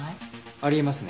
あり得ますね。